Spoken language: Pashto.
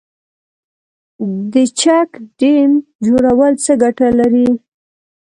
د چک ډیم جوړول څه ګټه لري؟